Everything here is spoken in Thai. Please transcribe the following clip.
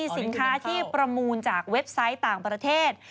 สินค้าที่ประมูลจากเว็บไซต์ต่างประเทศ